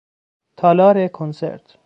تالار کنسرت